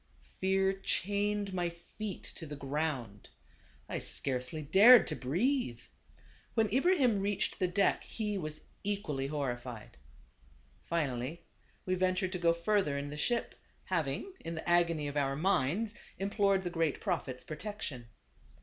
Fear chained my feet to the ground. I scarcely THE GABAVAN. Ill dared to breathe. When Ibrahim reached the deck, he was equally horrified. Finally we ventured to go further in the ship, having, in the agony of our minds, implored the great Prophet's pro tection.